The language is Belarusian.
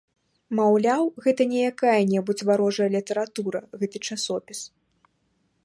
Маўляў, гэта не якая-небудзь варожая літаратура гэты часопіс.